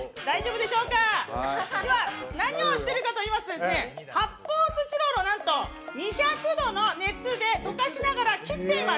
では、何をしてるかといいますと発泡スチロールを２００度の熱で溶かしながらとかしながら切っています。